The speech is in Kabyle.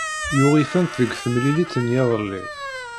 Yuɣ-itent deg temlilit n yiḍelli.